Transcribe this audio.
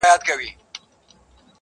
د ژوندانه كارونه پاته رانه.